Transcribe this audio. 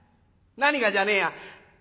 何がじゃねえや。